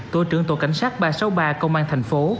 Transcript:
tổ trưởng tổ cảnh sát ba trăm sáu mươi ba công an tp